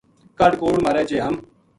کاہڈ کوڑ مارے جے ہم